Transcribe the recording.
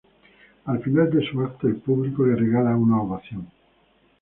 Al final de su acto, el público le regala una ovación.